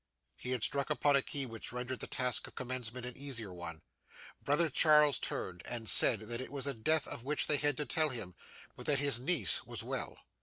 He had struck upon a key which rendered the task of commencement an easier one. Brother Charles turned, and said that it was a death of which they had to tell him, but that his niece was well.